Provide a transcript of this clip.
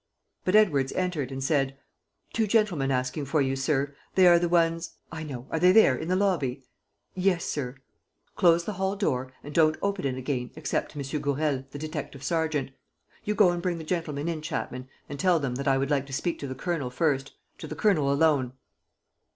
But Edwards entered and said: "Two gentlemen asking for you, sir. They are the ones. ..." "I know. Are they there, in the lobby?" "Yes, sir." "Close the hall door and don't open it again except to M. Gourel, the detective sergeant. You go and bring the gentlemen in, Chapman, and tell them that I would like to speak to the Colonel first, to the Colonel alone."